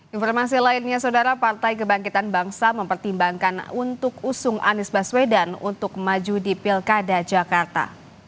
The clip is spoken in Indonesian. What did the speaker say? informasi lainnya saudara partai kebangkitan bangsa mempertimbangkan untuk usung anies baswedan untuk maju di pilkada jakarta